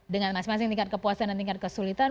dengan masing masing tingkat kepuasan dan tingkat kesulitan